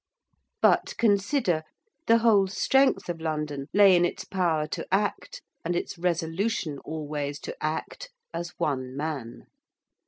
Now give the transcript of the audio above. But, consider, the whole strength of London lay in its power to act and its resolution always to act, as one man.